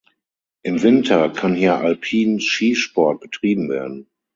Im Winter kann hier Alpin-Skisport betrieben werden.